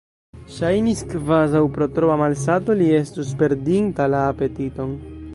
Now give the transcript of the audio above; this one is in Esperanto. Ŝajnis, kvazaŭ pro troa malsato li estus perdinta la apetiton.